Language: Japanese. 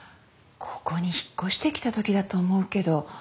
ここに引っ越してきたときだと思うけど。